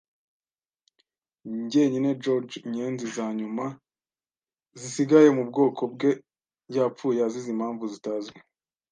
Jyenyine George, inyenzi zanyuma zisigaye mubwoko bwe, yapfuye azize impamvu zitazwi.